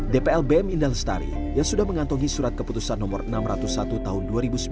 dplbm indah lestari yang sudah mengantongi surat keputusan nomor enam ratus satu tahun dua ribu sembilan belas